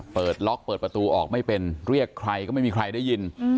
เปิดล็อกเปิดประตูออกไม่เป็นเรียกใครก็ไม่มีใครได้ยิน